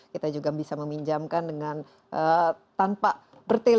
kita juga bisa meminjamkan dengan tanpa bertele